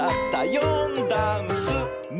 「よんだんす」「め」！